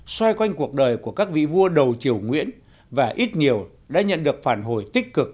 xoay quanh cuộc đời của các vị vua đầu triều nguyễn và ít nhiều đã nhận được phản hồi tích cực